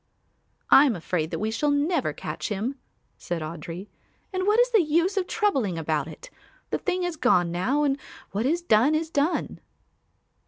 "I am afraid that we shall never catch him," said Audry, "and what is the use of troubling about it? The thing is gone now and what is done is done."